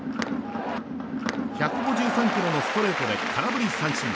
１５３キロのストレートで空振り三振。